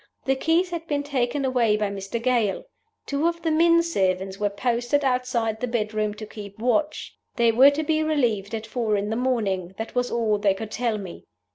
The keys had been taken away by Mr. Gale. Two of the men servants were posted outside the bedroom to keep watch. They were to be relieved at four in the morning that was all they could tell me.